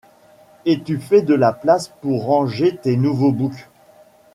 Et tu fais de la place pour ranger tes nouveaux books.